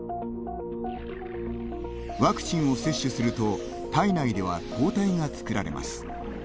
ワクチンを接種すると体内では抗体が作られます。